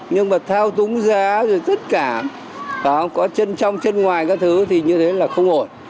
nhưng mà thao túng giá rồi tất cả có chân trong chân ngoài các thứ thì như thế là không ổn